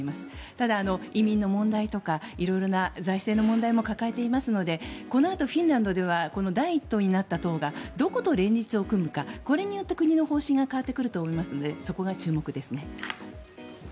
ただ、移民の問題とか色々な財政の問題も抱えていますのでこのあとフィンランドでは第１党になった党がどこと連立を組むかこれによって国の方針が変わってくると思うのでそこが注目ですね。